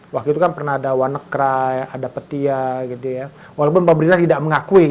waktu itu kan pernah ada one cry ada petia walaupun pemerintah tidak mengakui